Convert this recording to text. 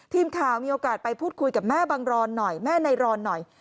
ทีมข่าวมีโอกาสไปพูดคุยกับแม่บังรอนหน่อยแม่นายรอนหน่อย